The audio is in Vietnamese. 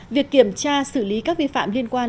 việc kiểm tra xử lý các vi phạm liên quan